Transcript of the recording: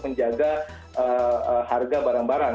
menjaga harga barang barang